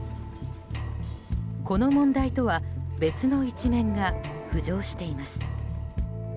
この問題とは別の一面が浮上しています。